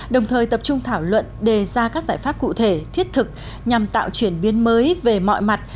đồng thời tập trung thảo luận đề ra các giải pháp cụ thể thiết thực nhằm tạo chuyển biến mới về mọi mặt